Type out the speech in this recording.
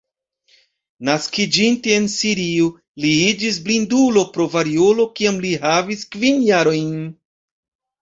Naskiĝinte en Sirio, li iĝis blindulo pro variolo kiam li havis kvin jarojn.